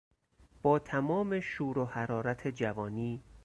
با تمام شور و حرارت جوانی